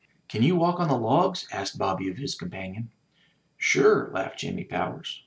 "Can you walk on the logs?" asked Bobby of his companion. "Sure," laughed Jimmy Powers.